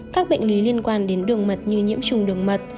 các bệnh lý liên quan đến đường mật như nhiễm trùng đường mật